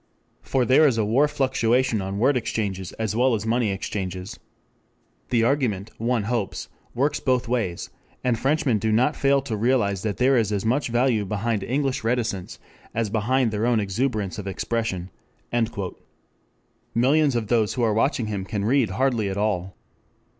For there is a war fluctuation on word exchanges as well as on money exchanges. "The argument, one hopes, works both ways, and Frenchmen do not fail to realize that there is as much value behind English reticence as behind their own exuberance of expression."] Millions of those who are watching him can read hardly at all.